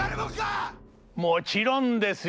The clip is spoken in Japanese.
もちろんですよ！